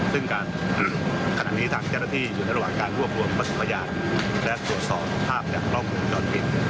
ซึ่งขณะนี้ทางเจ้าหน้าที่อยู่ในระหว่างการรวบรวมประสุนประหยาดและตรวจสอบภาพและลองกลุ่มจอดผิด